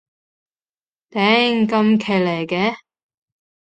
頂，咁騎呢嘅